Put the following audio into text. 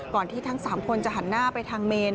ที่ทั้ง๓คนจะหันหน้าไปทางเมน